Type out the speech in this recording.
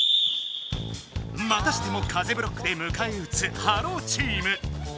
またしても風ブロックでむかえうつハローチーム。